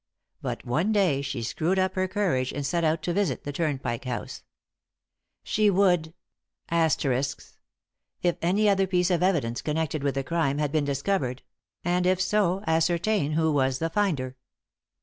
But one day she screwed up her courage, and set out to visit the Turnpike House. She would [] if any other piece of evidence connected with the crime had been discovered; and, if so, ascertain who was the finder.